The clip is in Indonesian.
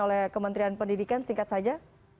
oleh kementerian pendidikan singkat saja